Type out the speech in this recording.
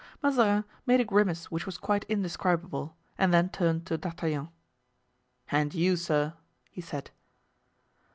Mazarin made a grimace which was quite indescribable, and then turned to D'Artagnan. "And you, sir?" he said.